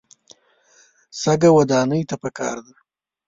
شګه ودانۍ ته پکار ده.